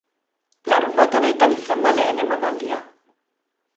Larunbat honetan izan da lehen emanaldia.